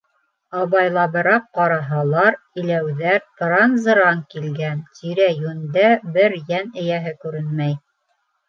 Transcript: Абайлабыраҡ ҡараһалар, иләүҙәр пыран-заран килгән, тирә-йүндә бер йән эйәһе күренмәй.